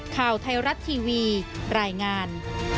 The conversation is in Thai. ข่าวไทยรัฐทีวีรายงาน